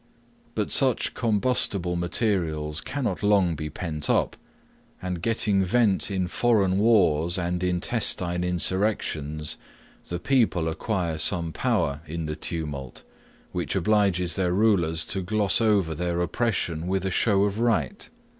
But such combustible materials cannot long be pent up; and getting vent in foreign wars and intestine insurrections, the people acquire some power in the tumult, which obliges their rulers to gloss over their oppression with a show of right.